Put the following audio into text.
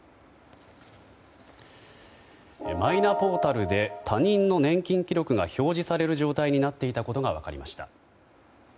マイナポータルで他人の年金記録が表示される状態になっていたことが分かりました。